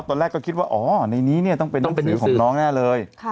ตอนแรกก็คิดว่าอ๋อในนี้เนี่ยต้องเป็นหนังสือของน้องแน่เลย